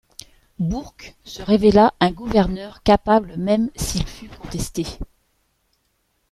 Bourke se révéla un gouverneur capable même s'il fut contesté.